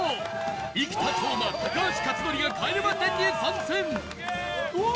生田斗真高橋克典が『帰れま１０』に参戦！